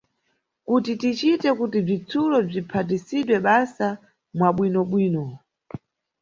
Kuti ticite kuti bzitsulo bziphatisidwe basa mwabwinobwino.